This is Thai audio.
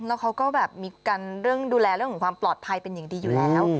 แล้วเขาก็แบบมีการเรื่องดูแลเรื่องของความปลอดภัยเป็นอย่างดีอยู่แล้ว